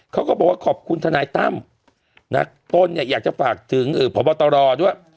เขาก็บอกว่าขอบคุณทนายตั้มนะต้นเนี่ยอยากจะฝากถึงพบตรด้วย